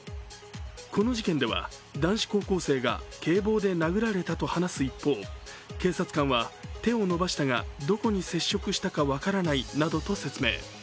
この事件では男子高校生が警棒で殴られたと話す一方、警察官は、手を伸ばしたがどこに接触したか分からないなどと説明。